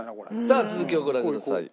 さあ続きをご覧ください。